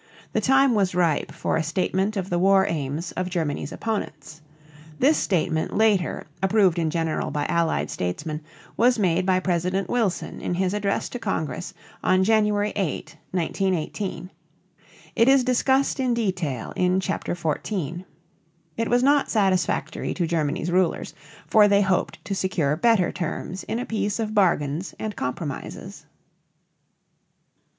The time was ripe for a statement of the war aims of Germany's opponents. This statement, later approved in general by Allied statesmen, was made by President Wilson in his address to Congress on January 8, 1918. It is discussed in detail in Chapter XIV. It was not satisfactory to Germany's rulers, for they hoped to secure better terms in a peace of bargains and compromises.